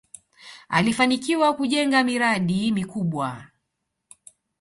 alifanikiwa kujenga miradi mikubwa